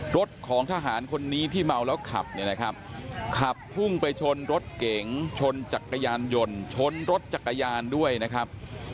รถของทหารคนนี้ที่เมาแล้วขับเนี่ยนะครับขับพุ่งไปชนรถเก๋งชนจักรยานยนต์ชนรถจักรยานด้วยนะครับ